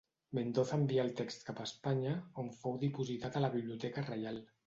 Mendoza envià el text cap a Espanya, on fou dipositat a la Biblioteca Reial.